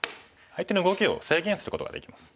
相手の動きを制限することができます。